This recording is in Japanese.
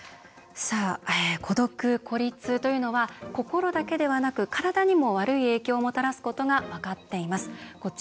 孤独・孤立は心だけでなく身体にも悪い影響をもたらすことが分かっています。